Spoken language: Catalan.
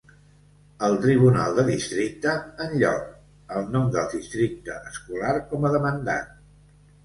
El Tribunal de districte, en lloc, el nom del districte escolar com a demandat.